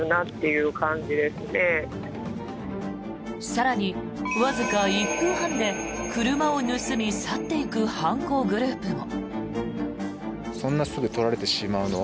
更に、わずか１分半で車を盗み、去っていく犯行グループも。